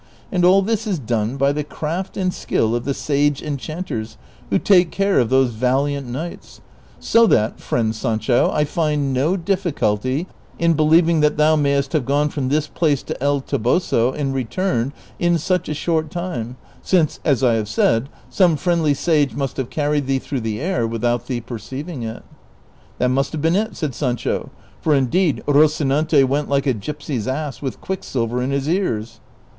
And all this is done by the craft and skill of the sage enchanters who take care of those valiant knights ; so that, friend San cho, I find no difficulty in believing that thou mayest have gone from this place to El Toboso and returned in such a short time, since, as I have said, some friendly sage must have carried thee through the air Vv'ithout thee perceiving it." " That must have been it," said Sancho, " for indeed Roci nante went like a g3'psy''s ass with quicksilver in his ears."